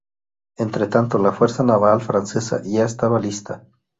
Entretanto la fuerza naval francesa ya estaba lista.